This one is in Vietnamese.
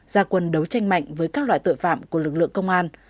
gia quân đấu tranh mạnh với các loại tội phạm của lực lượng công an